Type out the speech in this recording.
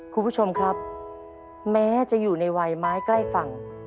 คุณผู้ชมครับแม้จะอยู่ในวัยไม้ใกล้ฝั่ง